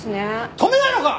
止めないのか！？